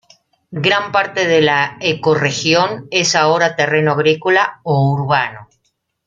Gran parte de la ecorregión es ahora terreno agrícola o urbano.